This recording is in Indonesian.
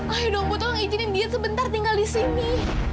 ayo dong bu tolong izinin dia sebentar tinggal di sini